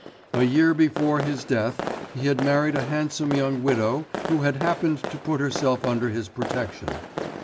A year before his death he had married a handsome young widow who had happened to put herself under his protection.